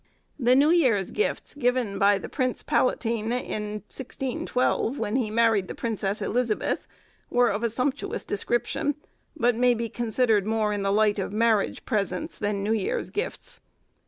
The New Year's Gifts, given by the Prince Palatine in 1612, when he married the Princess Elizabeth, were of a sumptuous description, but may be considered more in the light of marriage presents than New Year's Gifts.